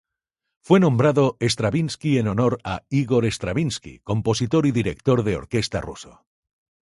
Fue nombrado Stravinsky en honor a Ígor Stravinski compositor y director de orquesta ruso.